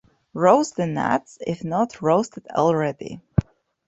Roast the nuts if not roasted already.